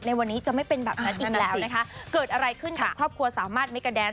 วันนี้จะไม่เป็นแบบนั้นอีกแล้วนะคะเกิดอะไรขึ้นกับครอบครัวสามารถเมกาแดน